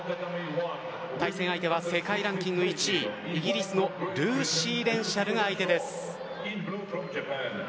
対戦相手は世界ランキング１位イギリスのルーシー・レンシャルが相手です。